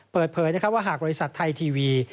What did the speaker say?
เปิดเผยว่าหากบริษัทไทยทีวี